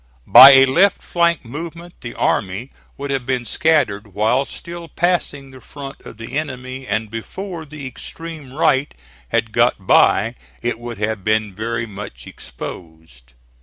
By a left flank movement the army would have been scattered while still passing the front of the enemy, and before the extreme right had got by it would have been very much exposed.